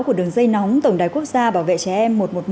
của đường dây nóng tổng đài quốc gia bảo vệ trẻ em một trăm một mươi một